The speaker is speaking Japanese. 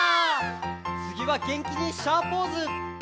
「つぎは元気にシャーポーズ！」